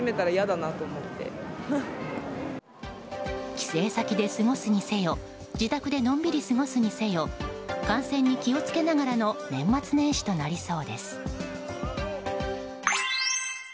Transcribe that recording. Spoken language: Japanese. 帰省先で過ごすにせよ自宅でのんびり過ごすにせよ感染に気を付けながらの年末年始となりそうです。